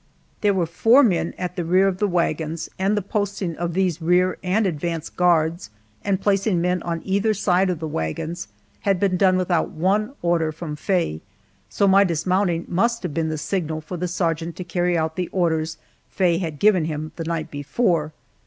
There were four men at the rear of the wagons, and the posting of these rear and advance guards, and placing men on either side of the wagons, had been done without one order from Faye, so my dismounting must have been the signal for the sergeant to carry out the orders Faye had given him the night before.